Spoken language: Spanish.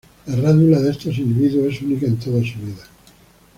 La rádula estos individuos es única en toda su vida.